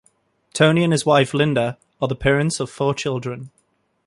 Tony and his wife, Linda, are the parents of four children.